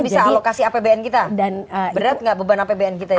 itu bisa alokasi apbn kita berat gak beban apbn kita itu